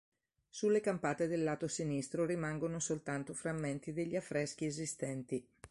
Sulle campate del lato sinistro rimangono soltanto frammenti degli affreschi esistenti.